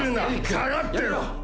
下がってろ！